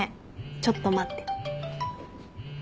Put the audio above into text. ちょっと待って。